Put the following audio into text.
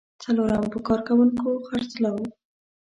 څلورم: په کارکوونکو خرڅلاو.